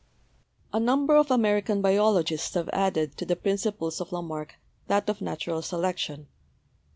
A number of American biologists have added to the principles of Lamarck that of natural selection.